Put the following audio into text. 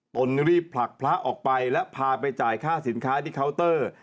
ตนรีบผลักพระออกไปและพาไปจ่ายค่าสินค้าที่เคาน์เตอร์